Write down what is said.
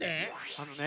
あのね